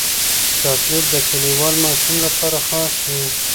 چاکلېټ د کلیوال ماشوم لپاره خاص وي.